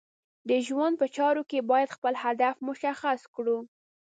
د ژوند په چارو کې باید خپل هدف مشخص کړو.